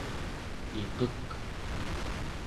iqek